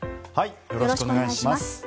よろしくお願いします。